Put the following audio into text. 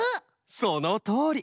そのとおり！